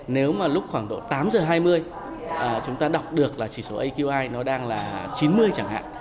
nếu mà lúc khoảng độ tám giờ hai mươi chúng ta đọc được là chỉ số aqi nó đang là chín mươi chẳng hạn